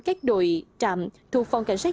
các đội trạm thuộc phòng cảnh sát